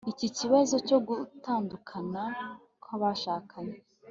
iki kibazo cyo gutandukana kw'abashakanye